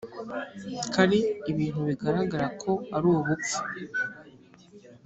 kr ibintu bigaragara ko ari ubupfu